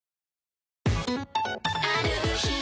ある日